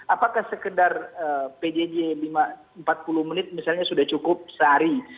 apakah sekedar pjj empat puluh menit misalnya sudah cukup sehari